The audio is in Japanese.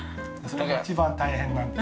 それが一番大変なの？